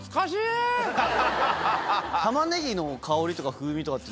タマネギの香りとか風味とかっていうのは？